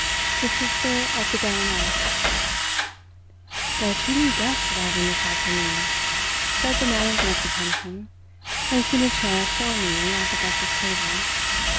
THE SISTER OF THE BARONESS "There are two new guests arriving this afternoon," said the manager of the pension, placing a chair for me at the breakfast table.